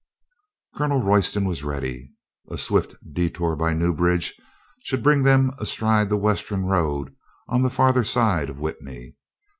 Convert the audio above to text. Colonel Royston was ready. A swift detour by Newbridge should bring them astride the western road on the farther side of Witney.